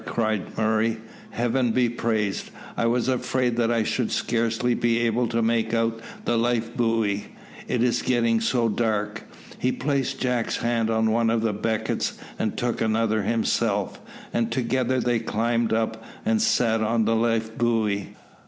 cried Murray; "Heaven be praised I was afraid that I should scarcely be able to make out the life buoy, it is getting so dark." He placed Jack's hand on one of the beckets, and took another himself, and together they climbed up, and sat on the life buoy.